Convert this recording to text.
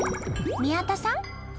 宮田さん！